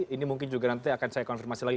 ini mungkin juga nanti akan saya konfirmasi lagi